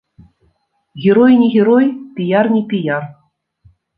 Герой не герой, піяр не піяр.